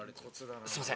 すいません。